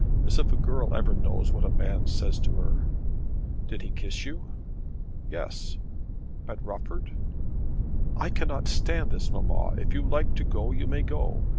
As if a girl ever knows what a man says to her." "Did he kiss you?" "Yes." "At Rufford?" "I cannot stand this, mamma. If you like to go you may go.